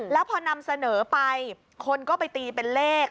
แล้วพอนำเสนอไปคนก็ไปตีเป็นเลข